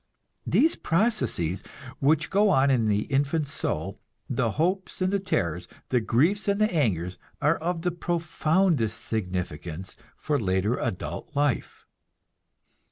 These processes which go on in the infant soul, the hopes and the terrors, the griefs and the angers, are of the profoundest significance for the later adult life.